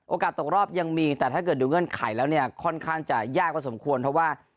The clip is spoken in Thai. ตกรอบยังมีแต่ถ้าเกิดดูเงื่อนไขแล้วเนี่ยค่อนข้างจะยากพอสมควรเพราะว่า